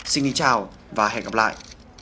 xin chào và hẹn gặp lại